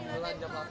belum jam delapan